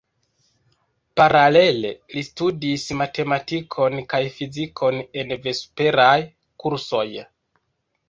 Paralele li studis matematikon kaj fizikon en vesperaj kursoj.